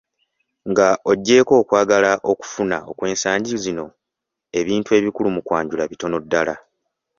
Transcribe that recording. "Nga oggyeeko okwagala okufuna okw’ensangi zino, ebintu ebikulu mu kwanjula bitono ddala."